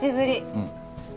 うん。